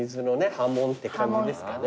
波紋って感じですかね。